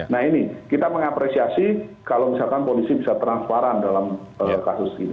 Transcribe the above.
nah ini kita mengapresiasi kalau misalkan polisi bisa transparan dalam kasus ini